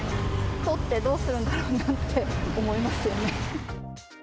取ってどうするんだろうなって思いますよね。